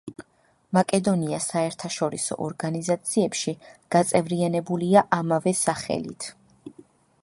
მაკედონია საერთაშორისო ორგანიზაციებში გაწევრიანებულია ამავე სახელით.